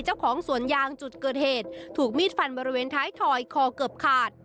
เจ้าของสวนยางจุดเกิดเหตุถูกมีดฟันบริเวณท้ายถอยคอเกือบขาด